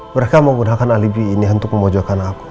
mereka menggunakan alibi ini untuk memojokkan aku